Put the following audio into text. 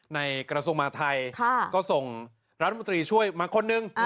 กระทรวงมหาทัยก็ส่งรัฐมนตรีช่วยมาคนนึง